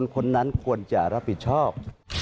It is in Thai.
คนนั้นควรจะรับผิดชอบ